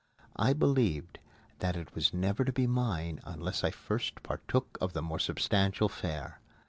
I believed that it was never to be mine unless I first partook of the more substantial fare.